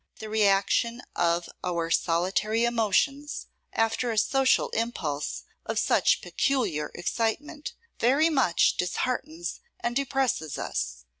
The reaction of our solitary emotions, after a social impulse of such peculiar excitement, very much disheartens and depresses us.